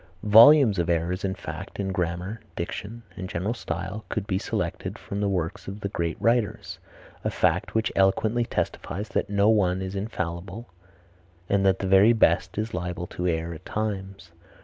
Volumes of errors in fact, in grammar, diction and general style, could be selected from the works of the great writers, a fact which eloquently testifies that no one is infallible and that the very best is liable to err at times.